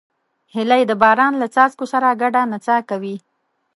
هیلۍ د باران له څاڅکو سره ګډه نڅا کوي